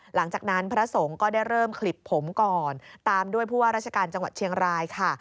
หลังจากนั้นพระสงฆ์ก็ได้เริ่มขลิบผมก่อนตามด้วยผู้ว่าราชการจังหวัดเชียงรายค่ะ